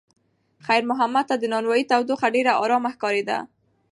خیر محمد ته د نانوایۍ تودوخه ډېره ارامه ښکارېده.